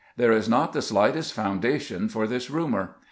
There is not the slightest foundation for this rumor.